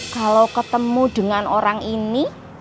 kalau ketemu dengan orang ini